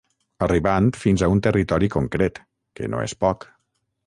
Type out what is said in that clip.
Arribant fins a un territori concret, que no és poc.